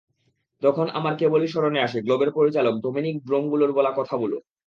তখন আমার কেবলই স্মরণে আসে গ্লোবের পরিচালক ডমিনিক ড্রোমগুলের বলা কথাগুলো।